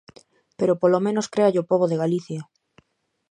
Pero polo menos créalle ao pobo de Galicia.